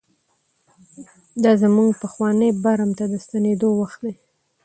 دا زموږ پخواني برم ته د ستنېدو وخت دی.